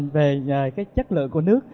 về cái chất lượng của nước